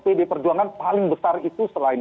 pd perjuangan paling besar itu selain